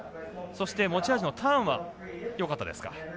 そして持ち味のターンはよかったですか？